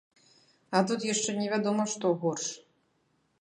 А тут яшчэ невядома што горш.